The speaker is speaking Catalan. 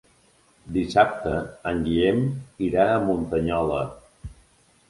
Dissabte en Guillem irà a Muntanyola.